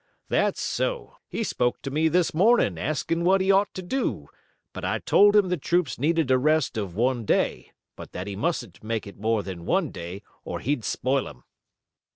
"That's so. He spoke to me this morning asking what he ought to do, but I told him the troops needed a rest of one day, but that he mustn't make it more than one day or he'd spoil 'em."